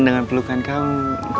dengan pelukan kamu